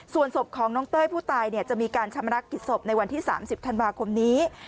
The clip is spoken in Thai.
ส่วนศพของน้องเต้ยผู้ตายจะมีการชำรักกิจศพในวันที่๓๐ธันวาคมนี้